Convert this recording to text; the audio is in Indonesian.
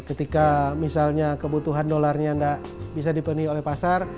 ketika misalnya kebutuhan dolarnya tidak bisa dipenuhi oleh pasar